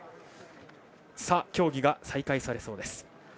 競技が再開されそうです。